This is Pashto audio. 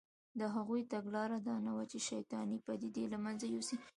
د هغوی تګلاره دا نه وه چې شیطانې پدیدې له منځه یوسي